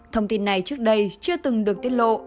thông tin này trước đây chưa từng được tiết lộ